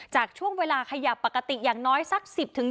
จากช่วงเวลาขยับปกติอย่างน้อยสัก๑๐